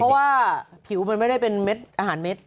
เพราะว่าผิวมันไม่ได้เป็นเม็ดอาหารเม็ด